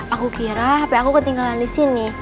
aku kira hp aku ketinggalan di sini